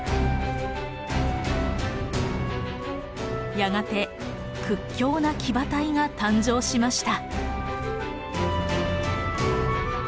やがて屈強な騎馬隊が誕生しました。